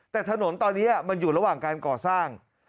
แต่ถนนตอนนี้มันอยู่ระหว่างการก่อสร้าง